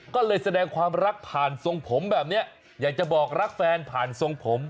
ก็เลยแสดงความรักผ่านทรงผมแบบนี้อยากจะบอกรักแฟนผ่านทรงผม